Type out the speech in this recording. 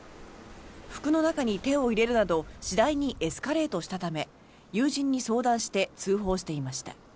服の中に手を入れるなど次第にエスカレートしたため友人に相談して通報していました。